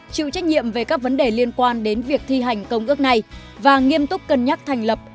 chịu trách nhiệm về các vấn đề liên quan đến việc thi hành công ước này và nghiêm túc cân nhắc thành lập